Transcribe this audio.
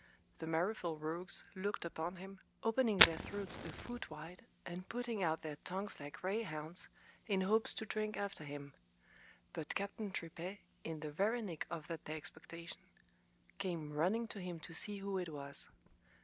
The maroufle rogues looked upon him, opening their throats a foot wide, and putting out their tongues like greyhounds, in hopes to drink after him; but Captain Tripet, in the very nick of that their expectation, came running to him to see who it was.